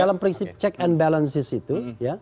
dalam prinsip check and balances itu